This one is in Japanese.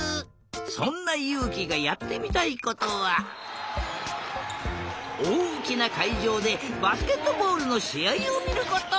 そんなゆうきがやってみたいことはおおきなかいじょうでバスケットボールのしあいをみること。